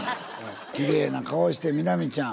きれいな顔して美波ちゃん。